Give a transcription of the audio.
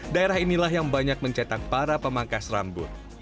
daerah inilah yang banyak mencetak para pemangkas rambut